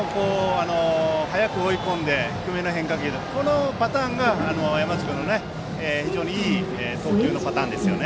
早く追い込んで低めの変化球というパターンが山内君は非常にいい投球のパターンですからね。